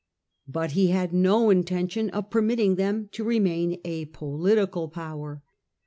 But he had no intention of permitting them to remain a political power.